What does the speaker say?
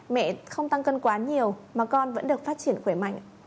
mẹ không tăng cân quá nhiều mà con vẫn được phát triển khỏe mạnh